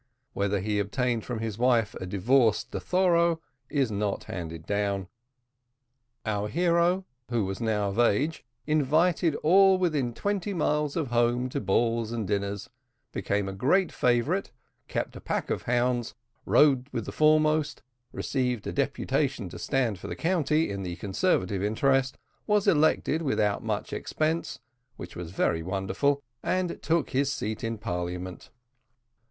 Whether he obtained from his wife a divorce de thoro, is not handed down. Our hero, who was now of age, invited all within twenty miles of home to balls and dinners; became a great favourite, kept a pack of hounds, rode with the foremost, received a deputation to stand for the county on the conservative interest, was elected without much expense, which was very wonderful, and took his seat in parliament.